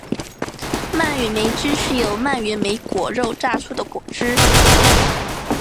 蔓越莓汁是由蔓越莓果肉榨出的果汁。